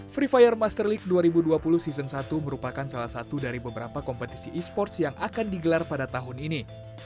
free fire master league dua ribu dua puluh season satu merupakan salah satu dari beberapa kompetisi e sports yang akan digelar pada tahun ini